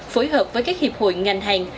phối hợp với các hiệp hội ngành hàng